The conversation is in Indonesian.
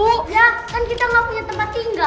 ya kan kita gak punya tempat tinggal